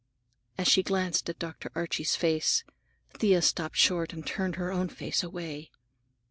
As she glanced at Dr. Archie's face, Thea stopped short and turned her own face away.